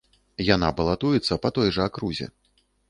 Яна балатуецца па той жа акрузе.